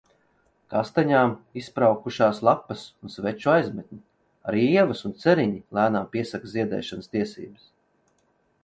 Kastaņām izspraukušās lapas un sveču aizmetņi, arī ievas un ceriņi lēnām piesaka ziedēšanas tiesības.